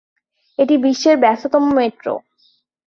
এটি বিশ্বের ব্যস্ততম মেট্রো।